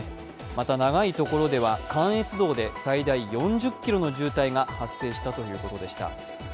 また長いところでは関越道で最大４０ｋｍの渋滞が発生したということでした。